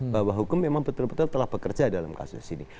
bahwa hukum memang betul betul telah bekerja dalam kasus ini